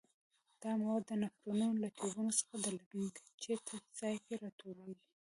دا مواد د نفرونونو له ټیوبونو څخه د لګنچې تش ځای کې را ټولېږي.